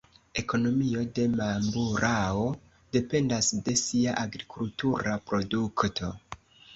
Ekonomio de Mamburao dependas de sia agrikultura produkto.